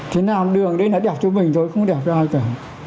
thế nào đường đấy nó đẹp cho mình thôi không đẹp cho ai cả